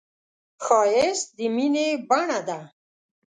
ښایست د مینې بڼه ده